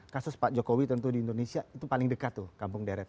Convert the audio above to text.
kasus pak jokowi tentu di indonesia itu paling dekat tuh kampung deret